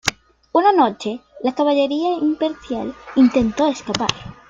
Una noche, la caballería imperial intentó escapar.